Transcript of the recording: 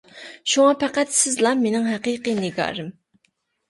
شۇڭا پەقەت سىزلا مىنىڭ ھەقىقىي نىگارىم.